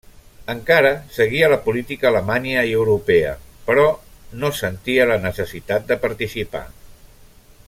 Encara seguia la política alemanya i europea, però no sentia la necessitat de participar.